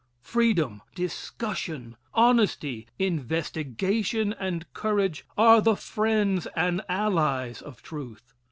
Freedom, discussion, honesty, investigation and courage are the friends and allies of truth.